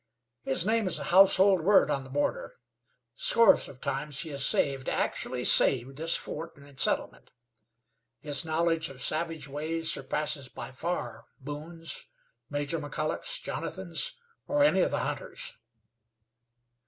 His name is a household word on the border. Scores of times he has saved, actually saved, this fort and settlement. His knowledge of savage ways surpasses by far Boone's, Major McColloch's, Jonathan's, or any of the hunters'."